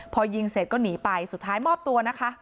พอยิงเสร็จก็หนีไปสุดท้ายมอบตัวนะคะ